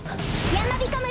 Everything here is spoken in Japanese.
やまびこ村